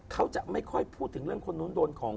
เขาจะไม่ค่อยพูดถึงเรื่องคนนู้นโดนของ